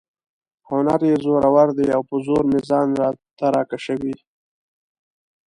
هنر یې زورور دی او په زور مې ځان ته را کشوي.